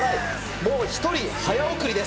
もう１人早送りです。